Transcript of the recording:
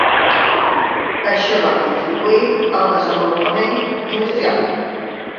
Això va contribuir al desenvolupament industrial.